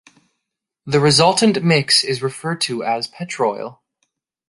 The resultant mix is referred to as petroil.